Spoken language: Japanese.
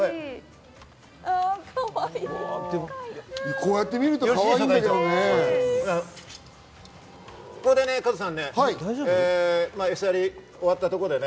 こうやって見るとかわいいね。